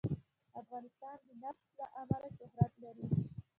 افغانستان د نفت له امله شهرت لري.